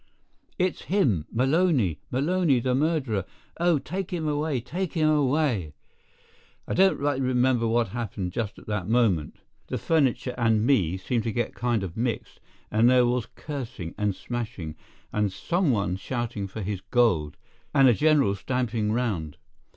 "It's him—Maloney—Maloney, the murderer—oh, take him away—take him away!" I don't rightly remember what happened just at that moment. The furniture and me seemed to get kind of mixed, and there was cursing, and smashing, and some one shouting for his gold, and a general stamping round.